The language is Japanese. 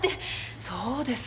そうですか。